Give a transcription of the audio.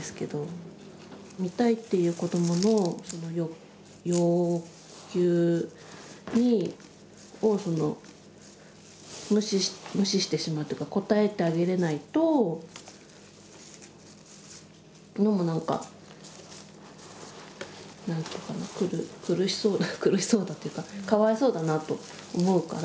見たいっていう子どもの要求を無視してしまうというか応えてあげれないとのもなんか苦しそう苦しそうだというかかわいそうだなと思うから。